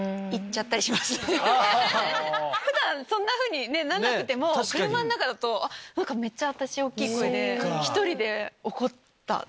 普段そんなふうになんなくても車の中だとめっちゃ私大きい声で１人で怒った！っていう。